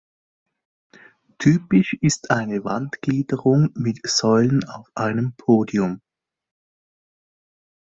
Typisch ist eine Wandgliederung mit Säulen auf einem Podium.